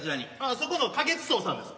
そこの花月荘さんです。